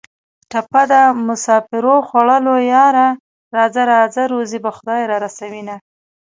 ټپه ده: مسافرو خوړلیه یاره راځه راځه روزي به خدای را رسوینه